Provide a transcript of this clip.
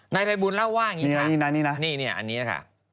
นายภัยบุญเล่าว่าอย่างนี้นะนี่อันนี้ค่ะ